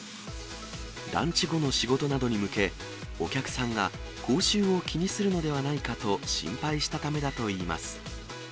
ランチ後の仕事などに向け、お客さんが口臭を気にするのではないかと心配したためだといいます。